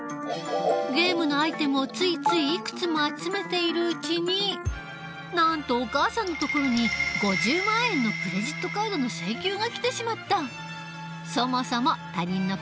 ゲームのアイテムをついついいくつも集めているうちになんとお母さんのところに５０万円のクレジットカードの請求が来てしまった。